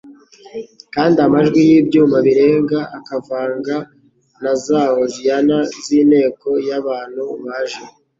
kandi amajwi y'ibyuma birenga akavanga na za Hoziyana z'inteko y'abantu baje.